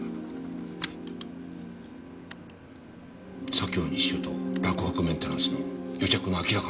左京西署と洛北メンテナンスの癒着の明らかな証拠だ。